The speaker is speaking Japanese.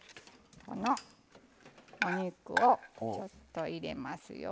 このお肉をちょっと入れますよ。